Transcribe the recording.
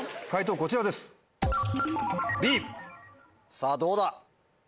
さぁどうだ？